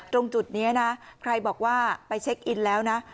ตรงจุดนี้นะใครบอกว่าไปเช็คอินแล้วนะ